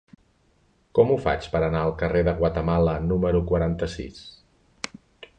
Com ho faig per anar al carrer de Guatemala número quaranta-sis?